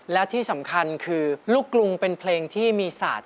และที่สำคัญคือลูกกรุงเป็นเพลงที่มีศาสตร์